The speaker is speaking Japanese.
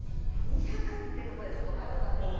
２００ってとこでちょっと迷ったんですよ。